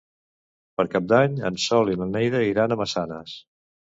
Per Cap d'Any en Sol i na Neida iran a Massanes.